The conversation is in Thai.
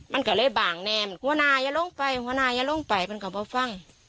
มันก็เลยบางแนมแล้วก็หนายลงไปก็ลงไปมันก็ไป